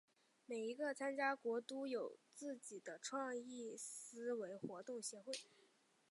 每一个参加国都有自己的创意思维活动协会。